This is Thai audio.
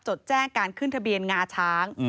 จดแจ้งการขึ้นทะเบียนงาช้าง